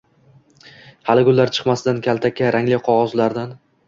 hali gullar chiqmasidan kaltakka rangli qog‘ozlardan